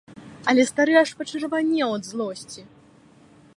Але стары аж пачырванеў ад злосці.